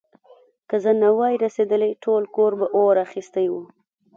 که زه نه وای رسېدلی، ټول کور به اور اخيستی و.